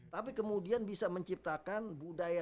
tapi kemudian bisa menciptakan budaya